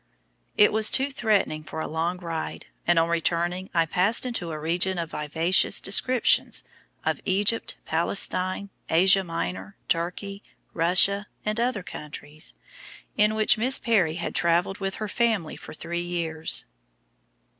It was too threatening for a long ride, and on returning I passed into a region of vivacious descriptions of Egypt, Palestine, Asia Minor, Turkey, Russia, and other countries, in which Miss Perry had traveled with her family for three years.